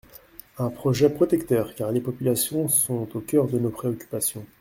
Un projet protecteur, car les populations sont au cœur de nos préoccupations.